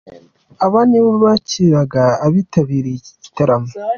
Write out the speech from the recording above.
Aba nibo bakiraga abitabiriye iki gitaramo.